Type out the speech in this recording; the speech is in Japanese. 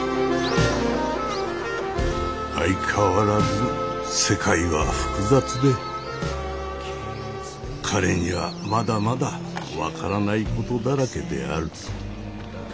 相変わらず世界は複雑で彼にはまだまだ分からないことだらけである。